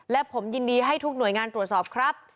และผมยินดีให้ทุกหน่วยงานตรวจสอบครับ